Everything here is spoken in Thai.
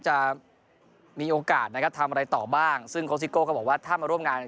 จะมีโอกาสนะครับทำอะไรต่อบ้างซึ่งโค้ซิโก้ก็บอกว่าถ้ามาร่วมงาน